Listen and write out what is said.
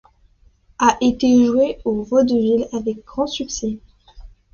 A été joué au Vaudeville avec grand succès.